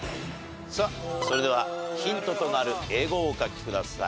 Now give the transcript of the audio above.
さあそれではヒントとなる英語をお書きください。